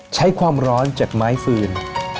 ใช้ความร้อนจากไม้ฟืน